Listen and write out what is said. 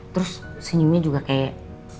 terus senyumnya juga kayak